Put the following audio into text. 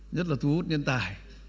nhất là thu hút nhân tài